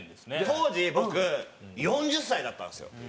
当時僕４０歳だったんですよ。